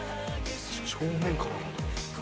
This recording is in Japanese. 正面からは。